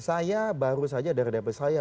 saya baru saja dari dapil saya